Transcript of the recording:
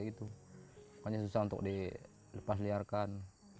pokoknya susah untuk dilepas liarkan